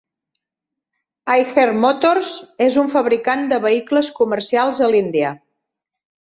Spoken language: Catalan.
Eicher Motors és un fabricant de vehicles comercials a l'Índia.